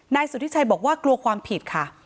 นายสุธิชัยบอกว่ากลัวความผิดค่ะ